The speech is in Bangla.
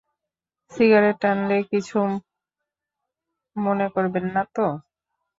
সিগারেট টানলে কিছু মবে করবেন না তো?